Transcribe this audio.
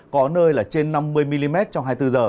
có nơi là trên năm mươi mm trong hai mươi bốn h